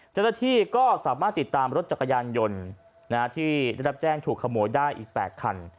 เจ้าหน้าที่ก็สามารถติดตามรถจักรยานยนต์ที่ได้รับแจ้งถูกขโมยได้อีก๘คัน